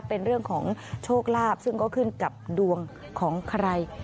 เป็นเรื่องของโชคลาภซึ่งก็ขึ้นกับดวงของใคร